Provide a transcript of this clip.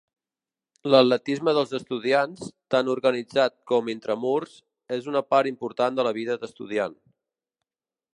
L'atletisme dels estudiants, tant organitzat com intramurs, és una part important de la vida d'estudiant.